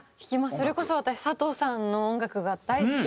それこそ私佐藤さんの音楽が大好きで。